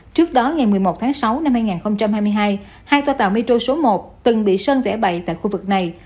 trước đó ngày một mươi một tháng sáu năm hai nghìn hai mươi hai hai toa tàu metro số một từng bị sơn vẽ bậy tại khu vực này